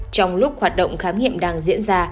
trong lúc hoạt động khám nghiệm đang diễn ra